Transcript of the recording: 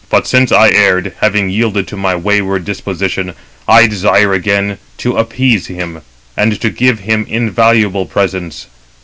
But since I erred, having yielded to my wayward disposition, I desire again to appease him, and to give him invaluable presents.